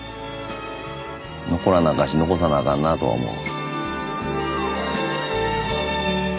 残らなあかんし残さなあかんなとは思う。